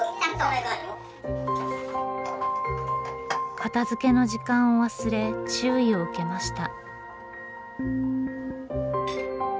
片づけの時間を忘れ注意を受けました。